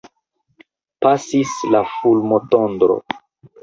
Pasis la fulmotondro.